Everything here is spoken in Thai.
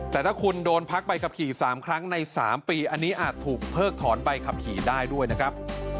แต่ถ้าคุณโดนพักใบขับขี่๓ครั้งใน๓ปีอันนี้อาจถูกเพิกถอนใบขับขี่ได้ด้วยนะครับ